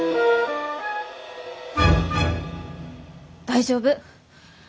大丈夫。